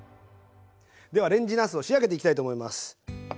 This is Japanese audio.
ではレンジなすを仕上げていきたいと思います。